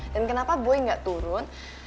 dan kenapa boy gak turun